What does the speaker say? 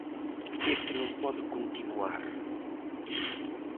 Este non pode continuar.